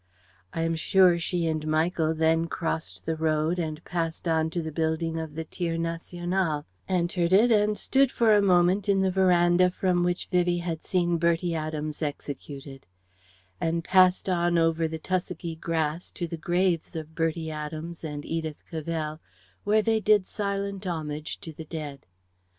I am sure she and Michael then crossed the road and passed on to the building of the Tir National; entered it and stood for a moment in the verandah from which Vivie had seen Bertie Adams executed; and passed on over the tussocky grass to the graves of Bertie Adams and Edith Cavell, where they did silent homage to the dead.